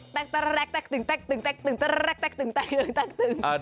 ต้องร้องเพราะนี้